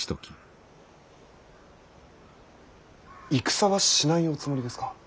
戦はしないおつもりですか。